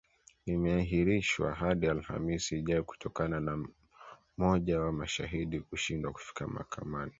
imeahirishwa hadi alhamisi ijayo kutokana na moja wa mashahidi kushindwa kufika mahakamani